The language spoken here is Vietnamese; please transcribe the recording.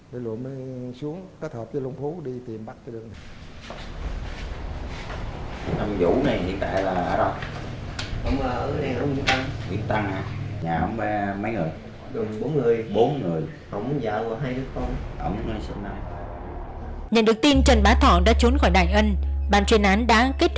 bấy luộm nó xuống kết hợp với luộm phú đi tìm bắt cái đường này